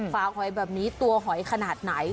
ฝาหอยแบบนี้ตัวหอยขนาดไหน